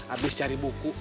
abis cari buku